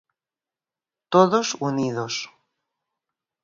Todos unidos.